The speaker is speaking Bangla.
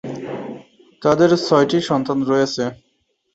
তাদের ছয়টি সন্তান রয়েছে।